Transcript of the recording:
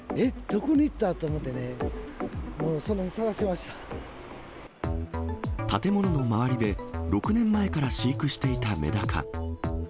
どこに行ったと思ってね、建物の周りで、６年前から飼育していたメダカ。